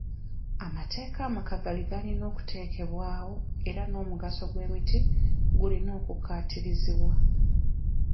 Amateeka amakakali galina okuteekebwawo era n'omugaso gw'emiti gulina okukkaatirizibwa.